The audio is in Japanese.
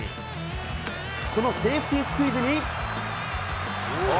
このセーフティスクイズに。